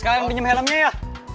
sekalian pinjam helmnya ya